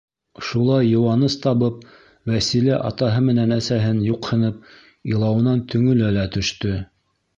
Шулай йыуаныс табып, Вәсилә атаһы менән әсәһен юҡһынып илауынан төңөлә лә төштө.